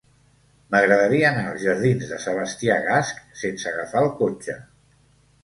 M'agradaria anar als jardins de Sebastià Gasch sense agafar el cotxe.